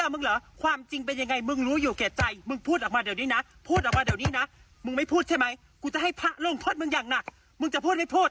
เอาลองชมครับ